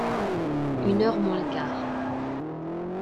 Une heure, moins le quart…